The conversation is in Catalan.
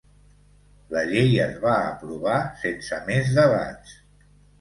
La llei es va aprovar sense més debats.